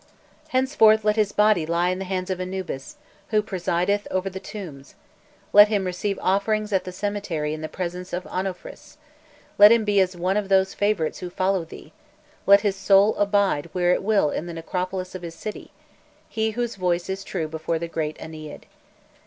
Henceforth let his body lie in the hands of Anubis, who presideth over the tombs; let him receive offerings at the cemetery in the presence of Onno phris; let him be as one of those favourites who follow thee; let his soul abide where it will in the necropolis of his city, he whose voice is true before the Great Ennead.'"